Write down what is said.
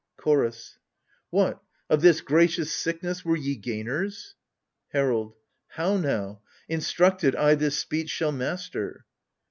CHOROS. What, of this gracious sickness were ye gainers ? HERALD. How now ? instructed, I this speech shall master.